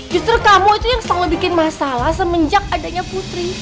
justru kamu itu yang selalu bikin masalah semenjak adanya putri